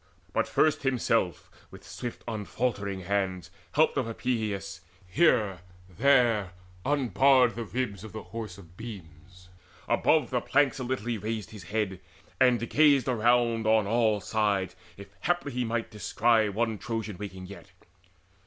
But first himself with swift unfaltering hands, Helped of Epeius, here and there unbarred The ribs of the Horse of beams: above the planks A little he raised his head, and gazed around On all sides, if he haply might descry One Trojan waking yet.